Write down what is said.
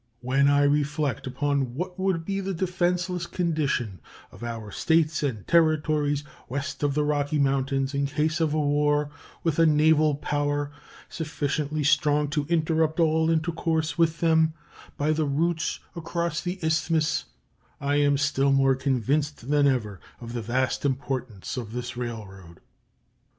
When I reflect upon what would be the defenseless condition of our States and Territories west of the Rocky Mountains in case of a war with a naval power sufficiently strong to interrupt all intercourse with them by the routes across the Isthmus, I am still more convinced than ever of the vast importance of this railroad.